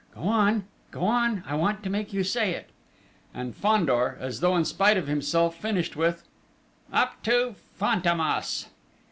"Go on! Go on! I want to make you say it!..." And Fandor, as though in spite of himself, finished with: "Up to Fantômas!"